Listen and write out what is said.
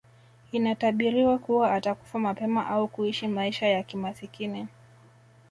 Inatabiriwa kuwa atakufa mapema au kuishi maisha ya kimasikini